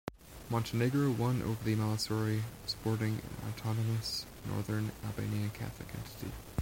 Montenegro won over the Malissori, supporting an autonomous northern Albanian Catholic entity.